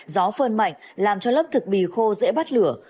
gió phơn mạnh làm cho lớp thực bì khô dễ bắt lửa